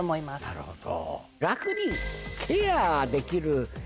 なるほど。